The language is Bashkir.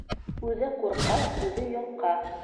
Үҙе ҡурҡа, үҙе йолҡа.